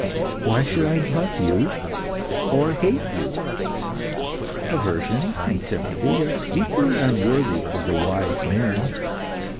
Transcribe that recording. Why should I love you, or hate you? Aversion and sympathy are equally unworthy of the wise man.